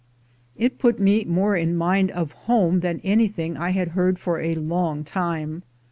It put me more in mind of home than anything I had heard for a long time.